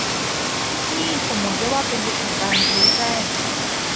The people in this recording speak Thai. นี่สมมติได้ว่าเป็นยุคแห่งการรู้แจ้ง